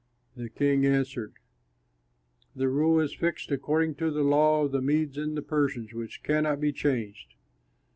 The king answered, "The rule is fixed according to the law of the Medes and Persians, which cannot be changed."